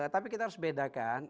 tapi kita harus bedakan